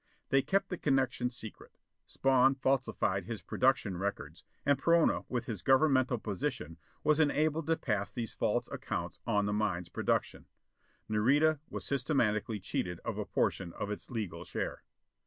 They kept the connection secret. Spawn falsified his production records; and Perona with his governmental position was enabled to pass these false accounts of the mine's production. Nareda was systematically cheated of a portion of its legal share.